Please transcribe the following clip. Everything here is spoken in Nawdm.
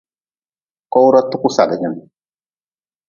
Kowra tuku sadgin.